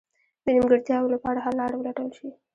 د نیمګړتیاوو لپاره حل لاره ولټول شي.